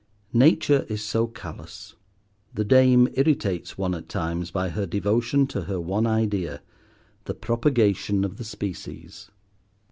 Nature is so callous. The Dame irritates one at times by her devotion to her one idea, the propagation of the species.